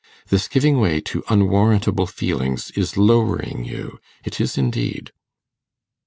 This giving way to unwarrantable feelings is lowering you it is indeed.